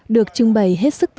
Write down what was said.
được trưng bày hết sức